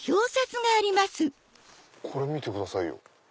これ見てくださいよ。